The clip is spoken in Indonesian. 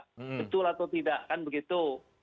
betul atau tidak kan begitu